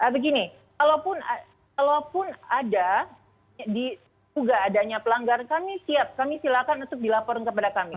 begini kalaupun ada juga adanya pelanggaran kami siap kami silakan untuk dilaporin kepada kami